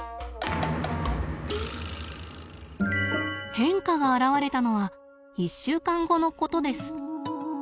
変化が現れたのは１週間後のことです。